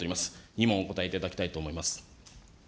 ２問お答えいただきたいと思います。